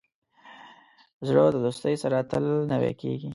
زړه د دوستۍ سره تل نوی کېږي.